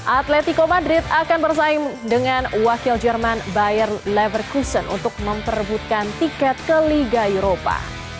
atletico madrid akan bersaing dengan wakil jerman bayer leverkuson untuk memperebutkan tiket ke liga eropa